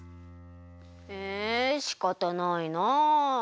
えしかたないな。